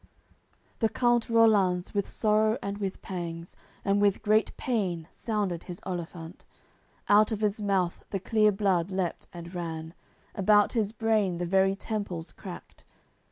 AOI. CXXIV The Count Rollanz, with sorrow and with pangs, And with great pain sounded his olifant: Out of his mouth the clear blood leaped and ran, About his brain the very temples cracked.